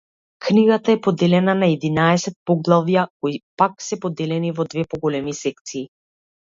Книгата е поделена на единаесет поглавја, кои пак се поделени во две поголеми секции.